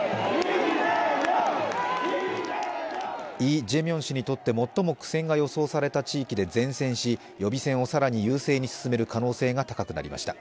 イ・ジェミョン氏にとって最も苦戦が予想された地域で善戦し、予備選を更に優勢に進める可能性が高くなりました。